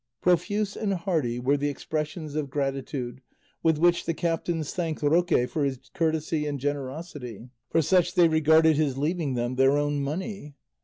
Profuse and hearty were the expressions of gratitude with which the captains thanked Roque for his courtesy and generosity; for such they regarded his leaving them their own money.